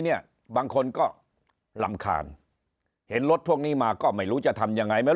เนี่ยบางคนก็รำคาญเห็นรถพวกนี้มาก็ไม่รู้จะทำยังไงไม่